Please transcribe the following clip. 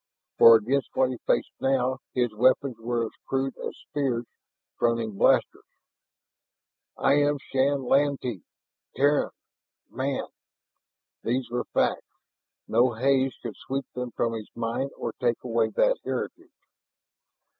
For against what he faced now his weapons were as crude as spears fronting blasters. "I am Shann Lantee, Terran, man...." Those were facts; no haze could sweep them from his mind or take away that heritage.